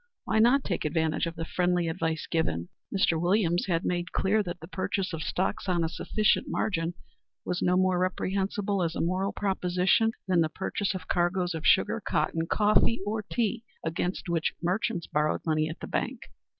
Why not take advantage of the friendly advice given? Mr. Williams had made clear that the purchase of stocks on a sufficient margin was no more reprehensible as a moral proposition than the purchase of cargoes of sugar, cotton, coffee or tea against which merchants borrowed money at the bank.